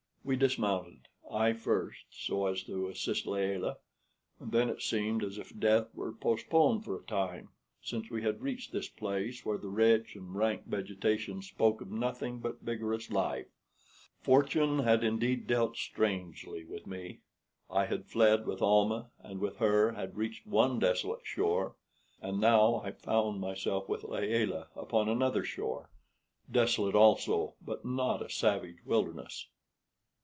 We dismounted I first, so as to assist Layelah; and then it seemed as if death were postponed for a time, since we had reached this place where the rich and rank vegetation spoke of nothing but vigorous life. Fortune had indeed dealt strangely with me. I had fled with Almah, and with her had reached one desolate shore, and now I found myself with Layelah upon another shore, desolate also, but not a savage wilderness.